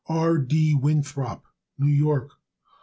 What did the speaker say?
R. D. Winthrop, New York.